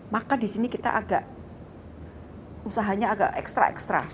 maka di sini kita agak usahanya agak extra extra